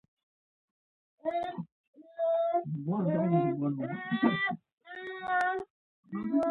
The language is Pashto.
ازادي راډیو د سیاست د پراختیا اړتیاوې تشریح کړي.